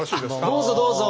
どうぞどうぞ。